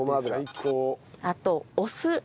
あとお酢。